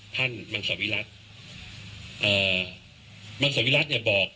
ท่านมังสวิรัตน์มังสวิรัตน์เนี่ยบอก